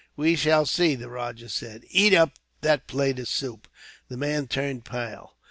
"We shall see," the rajah said. "Eat up that plate of soup." The man turned pale.